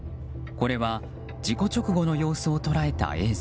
これは事故直後の様子を捉えた映像。